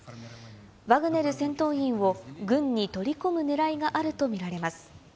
ワグネル戦闘員を軍に取り込むねらいがあると見られます。